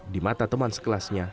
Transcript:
di mata teman sekelasnya